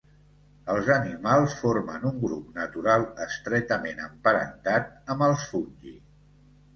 Els animals formen un grup natural estretament emparentat amb els Fungi.